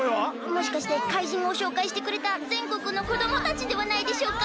もしかして怪人をしょうかいしてくれたぜんこくのこどもたちではないでしょうか？